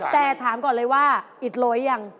แต่ถามก่อนเลยว่าอีกร้อยอย่าง